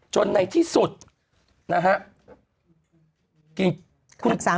ในที่สุดนะฮะ